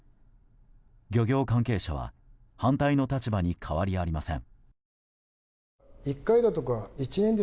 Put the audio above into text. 漁業関係者は反対の立場に変わりありません。